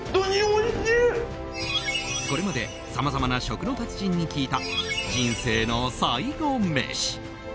これまでさまざまな食の達人に聞いた人生の最後メシ。